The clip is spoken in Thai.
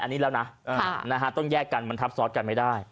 อันนี้แล้วนะต้องแยกกันมันทับซ้อนกันไม่ได้